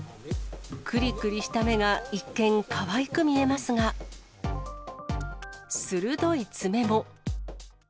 くりくりした目が一見、かわいく見えますが、鋭い爪も。